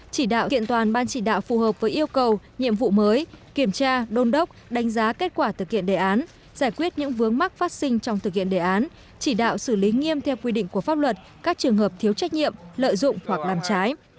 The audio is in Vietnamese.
chỉ đạo kiện toàn ban chỉ đạo phù hợp với yêu cầu nhiệm vụ mới kiểm tra đôn đốc đánh giá kết quả thực hiện đề án giải quyết những vướng mắc phát sinh trong thực hiện đề án chỉ đạo xử lý nghiêm theo quy định của pháp luật các trường hợp thiếu trách nhiệm lợi dụng hoặc làm trái